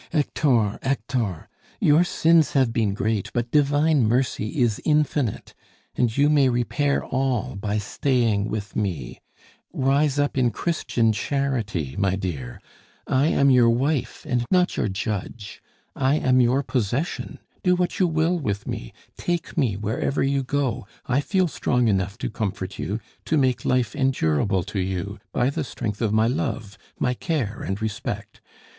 "Hector, Hector! Your sins have been great, but Divine Mercy is infinite, and you may repair all by staying with me. Rise up in Christian charity, my dear I am your wife, and not your judge. I am your possession; do what you will with me; take me wherever you go, I feel strong enough comfort you, to make life endurable to you, by the strength of my love, my care, and respect.